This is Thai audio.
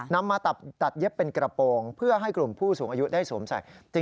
นำมาตัดเย็บเป็นกระโปรงเพื่อให้กลุ่มผู้สูงอายุได้สวมใส่